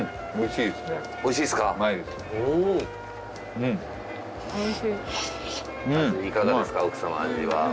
いかがですか奥様味は。